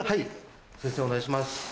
先生お願いします。